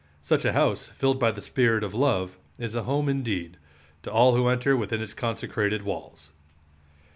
Such a house, filled by the spirit of love, is a home indeed, to all who enter within its consecrated walls.